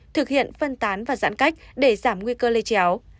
thực hiện phân tán và giãn cách để giảm nguy cơ lây chéo